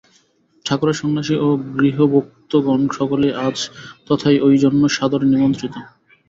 ঠাকুরের সন্ন্যাসী ও গৃহী ভক্তগণ সকলেই আজ তথায় ঐ জন্য সাদরে নিমন্ত্রিত।